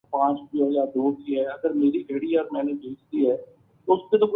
قانونی فیصلہ صادر کرتا ہے